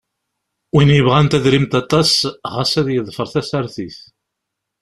Win yebɣan tadrimt aṭas xas ad yeḍfeṛ tasartit.